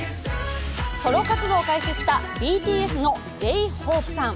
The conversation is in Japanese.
ソロ活動を開始したＢＴＳのＪ−ＨＯＰＥさん。